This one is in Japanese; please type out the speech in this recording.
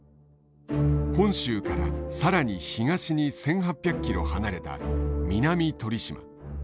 本州から更に東に１，８００キロ離れた南鳥島。